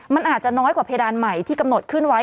มันอาจจะน้อยกว่าเพดานใหม่ที่กำหนดขึ้นไว้